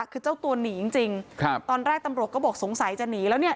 คือเจ้าตัวหนีจริงจริงครับตอนแรกตำรวจก็บอกสงสัยจะหนีแล้วเนี่ย